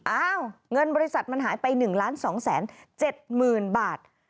อ้าวเงินบริษัทมันหายไป๑๒๗๐๐๐๐บาท